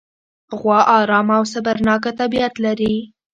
غوا ارامه او صبرناکه طبیعت لري.